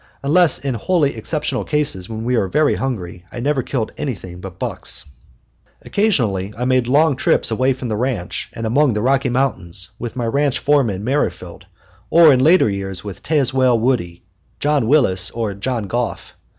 Unless in wholly exceptional cases, when we were very hungry, I never killed anything but bucks. Occasionally I made long trips away from the ranch and among the Rocky Mountains with my ranch foreman Merrifield; or in later years with Tazewell Woody, John Willis, or John Goff.